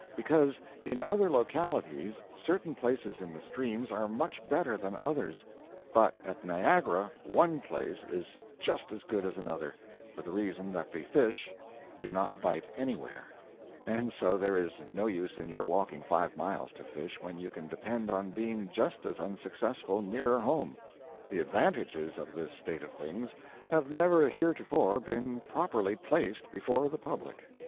Because, in other localities, certain places in the streams are much better than others; but at Niagara one place is just as good as another, for the reason that the fish do not bite anywhere, and so there is no use in your walking five miles to fish, when you can depend on being just as unsuccessful nearer home. The advantages of this state of things have never heretofore been properly placed before the public.